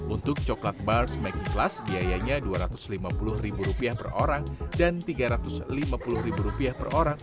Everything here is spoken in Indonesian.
untuk coklat bars mclass biayanya rp dua ratus lima puluh per orang dan rp tiga ratus lima puluh per orang